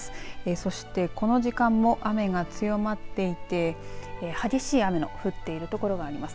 そしてこの時間も雨が強まっていて激しい雨の降っている所があります。